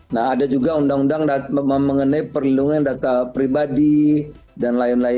nah ada juga undang undang mengenai perlindungan data pribadi dan lain lain